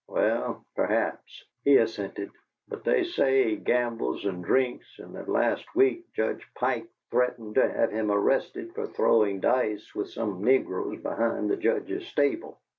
"Well perhaps," he assented; "but they say he gambles and drinks, and that last week Judge Pike threatened to have him arrested for throwing dice with some negroes behind the Judge's stable."